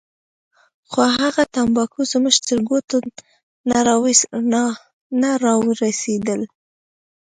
خو هغه تمباکو زموږ تر ګوتو نه راورسېدل.